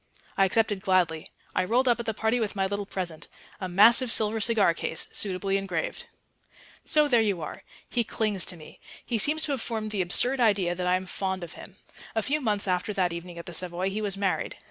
I accepted gladly. I rolled up at the party with my little present...a massive silver cigar case...suitably engraved. So there you are. He clings to me. He seems to have formed the absurd idea that I am fond of him. A few months after that evening at the Savoy he was married.